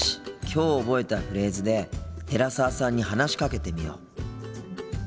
きょう覚えたフレーズで寺澤さんに話しかけてみよう。